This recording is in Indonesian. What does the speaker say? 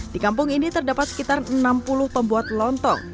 di kampung ini terdapat sekitar enam puluh pembuat lontong